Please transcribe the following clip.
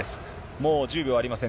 もう１０秒ありません。